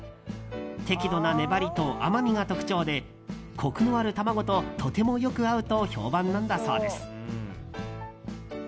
適度な粘りと甘みが特徴でコクのある卵ととてもよく合うと評判なんだそうです。